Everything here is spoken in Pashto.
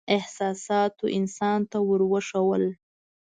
احساساتو انسان ته ور وښودل.